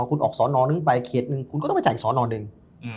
คุณออกสอนอนึงไปเขตหนึ่งคุณก็ต้องไปจ่ายอีกสอนอหนึ่ง